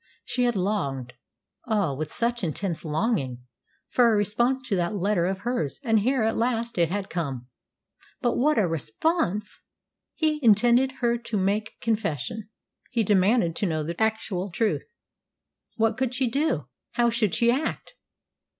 She had longed ah, with such an intense longing! for a response to that letter of hers, and here at last it had come. But what a response! He intended her to make confession. He demanded to know the actual truth. What could she do? How should she act?